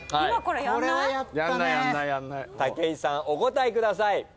お答えください。